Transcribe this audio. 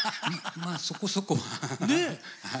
まあそこそこは。